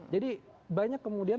jadi banyak kemudian